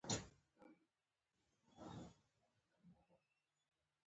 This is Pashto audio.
زۀ یو پښتون یم او پښتو زما مور ده.